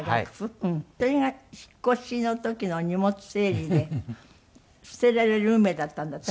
それが引っ越しの時の荷物整理で捨てられる運命だったんだって？